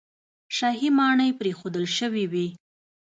شاهي ماڼۍ پرېښودل شوې وې.